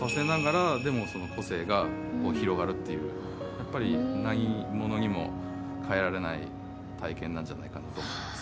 やっぱり何物にも代えられない体験なんじゃないかなと思います。